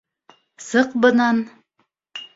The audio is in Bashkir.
Сыҡ бынан.